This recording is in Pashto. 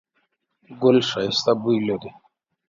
ګل ښایسته بوی لري